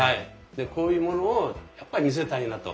こういうものをやっぱり見せたいなと。